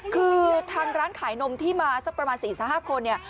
คือทางร้านขายนมที่มาสักประมาณ๔๕คนเนี่ย